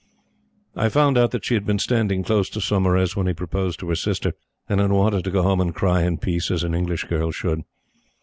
I found out that she had been standing close to Saumarez when he proposed to her sister and had wanted to go home and cry in peace, as an English girl should.